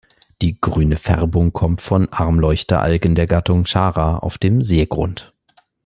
Die grüne Färbung kommt von Armleuchteralgen der Gattung "Chara" auf dem Seegrund.